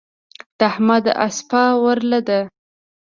د احمد اسپه ورله ده.